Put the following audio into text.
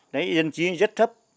đấy nhân trí rất thấp